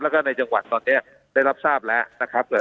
แล้วก็ในจังหวัดตอนนี้ได้รับทราบแล้วนะครับ